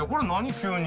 急に。